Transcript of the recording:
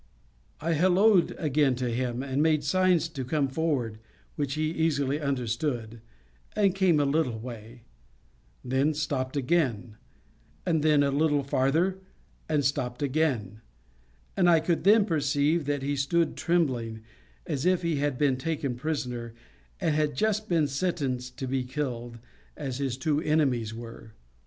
I hallooed again to him, and made signs to come forward, which he easily understood, and came a little way; then stopped again, and then a little farther, and stopped again; and I could then perceive that he stood trembling, as if he had been taken prisoner, and had just been sentenced to be killed, as his two enemies were.